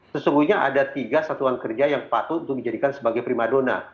sesungguhnya ada tiga satuan kerja yang patut untuk dijadikan sebagai prima dona